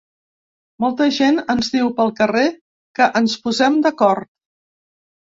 Molta gent ens diu pel carrer que ens posem d’acord.